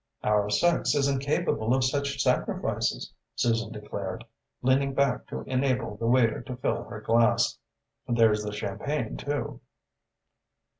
"Our sex isn't capable of such sacrifices," Susan declared, leaning back to enable the waiter to fill her glass. "There's the champagne, too."